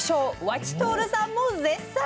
和知徹さんも絶賛。